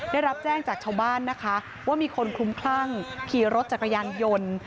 ได้รับแจ้งจากชาวบ้านนะคะว่ามีคนคลุมคลั่งขี่รถจักรยานยนต์